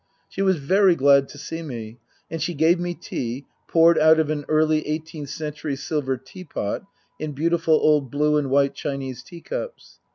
She was very glad to see me, and she gave me tea, poured out of an early eighteenth century silver teapot, in beautiful old blue and white Chinese teacups.